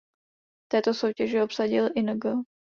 V této soutěži obsadil ing.